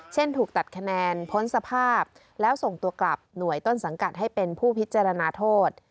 ถูกตัดคะแนนพ้นสภาพแล้วส่งตัวกลับหน่วยต้นสังกัดให้เป็นผู้พิจารณาโทษ